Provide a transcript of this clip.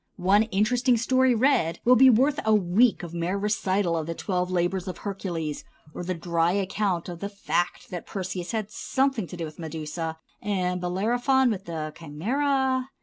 One interesting story read will be worth a week of mere recital of the twelve labors of Heracles, or the dry account of the fact that Perseus had something to do with Medusa, and Bellerophon with the Chimæra.